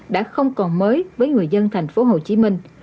đã không còn mới với người dân thành phố hồ chí minh